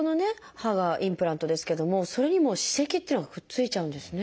歯がインプラントですけどもそれにも歯石っていうのがくっついちゃうんですね。